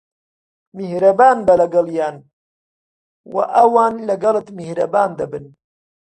میھرەبان بە لەگەڵیان، و ئەوان لەگەڵت میھرەبان دەبن.